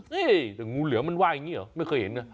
สิแต่ง็งูเหลือมันว่ายอย่างงี้เหรอไม่เคยเห็น